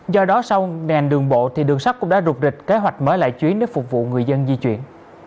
do đó sau nền đường bộ thì đường sắt cũng đã rụt rịch kế hoạch mới lại chuyến để phục vụ người dân di chuyển